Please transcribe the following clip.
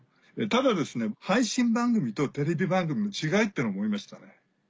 ただ配信番組とテレビ番組の違いってのも思いましたね。